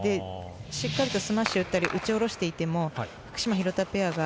しっかりスマッシュ打ったり打ち下ろしていても福島、廣田ペアが